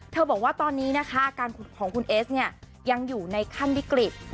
บอกว่าตอนนี้นะคะอาการของคุณเอสเนี่ยยังอยู่ในขั้นวิกฤต